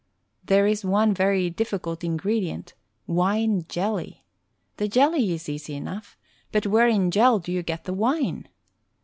There is one very difficult ingredient — ^wine jelly ! The jelly is easy enough, but where in Jell do you get the wine?